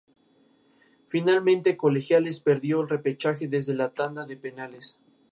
La denominación de la localidad proviene de San Justo.